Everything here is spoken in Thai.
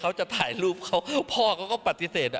เขาจะถ่ายรูปเขาพ่อเขาก็ปฏิเสธ